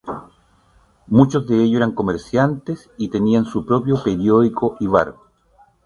Muchos de ellos eran comerciantes y tenían su propio periódico y bar.